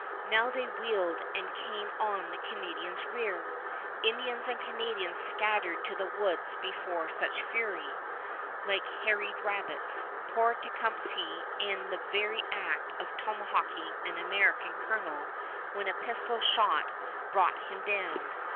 Now they wheeled and came on the Canadians' rear. Indians and Canadians scattered to the woods before such fury, like harried rabbits, poor Tecumseh in the very act of tomahawking an American colonel when a pistol shot brought him down.